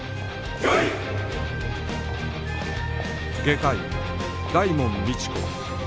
外科医大門未知子